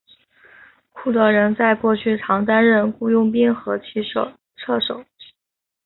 库德人在过去常担任雇佣兵和骑射手。